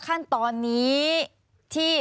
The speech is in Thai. ขั้นตอนนี้ที่